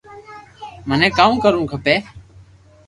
مني ڪاو ڪرووُ کپي